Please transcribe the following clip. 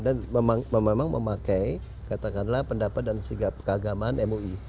dan memang memakai katakanlah pendapat dan sigap keagamaan mui